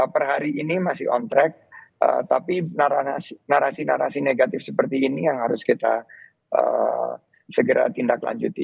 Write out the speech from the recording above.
per hari ini masih on track tapi narasi narasi negatif seperti ini yang harus kita segera tindak lanjuti